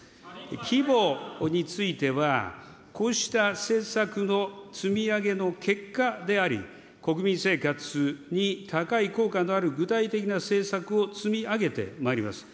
規模については、こうした施策の積み上げの結果であり、国民生活に高い効果のある具体的な政策を積み上げてまいります。